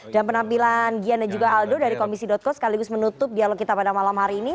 dan penampilan gian dan juga aldo dari komisi co sekaligus menutup dialog kita pada malam hari ini